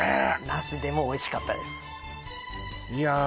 なしでもおいしかったですいやー